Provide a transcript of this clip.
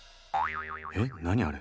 えっ何あれ？